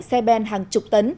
xe ben hàng chục tấn